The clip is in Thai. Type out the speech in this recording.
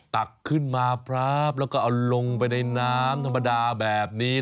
ตักขึ้นมาพราบแล้วก็เอาลงไปในน้ำธรรมดาแบบนี้